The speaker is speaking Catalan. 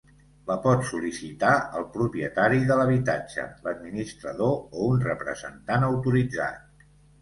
La pot sol·licitar el propietari de l'habitatge, l'administrador o un representant autoritzat.